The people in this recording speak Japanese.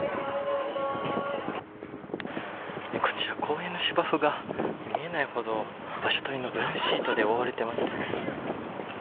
こちら、公園の芝生が見えないほど場所取りのブルーシートで覆われていますね。